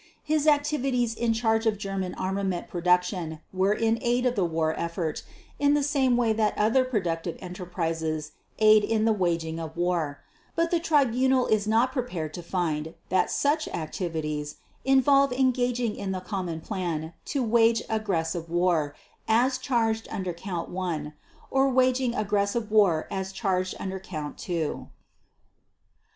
His activities in charge of German armament production were in aid of the war effort in the same way that other productive enterprises aid in the waging of war; but the Tribunal is not prepared to find that such activities involve engaging in the common plan to wage aggressive war as charged under Count One or waging aggressive war as charged under Count Two.